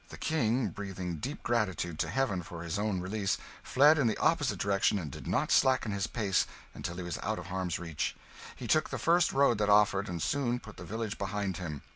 The King, breathing deep gratitude to Heaven for his own release, fled in the opposite direction, and did not slacken his pace until he was out of harm's reach. He took the first road that offered, and soon put the village behind him.